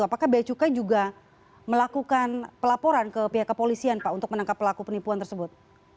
apakah beacukai juga melakukan pelaporan ke pihak kepolisian pak untuk menangkap pelaku penipuan tersebut